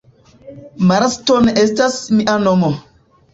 Marston estas mia nomo.